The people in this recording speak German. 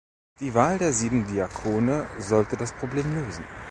Die Wahl der sieben Diakone sollte das Problem lösen.